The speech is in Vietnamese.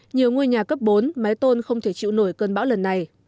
nhiều ngôi nhà cấp bốn máy tôn không thể chịu nổi cơn bão lần này